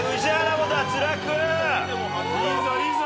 いいぞいいぞ！